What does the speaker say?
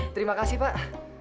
terima kasih pak